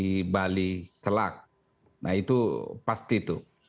saya kira sebagaimana kata mas bobi tadi ya tujuan jangka pendek diplomasi presiden jokowi itu antara